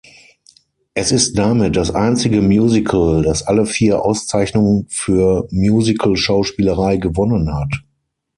Es ist damit das einzige Musical, das alle vier Auszeichnungen für Musical-Schauspielerei gewonnen hat.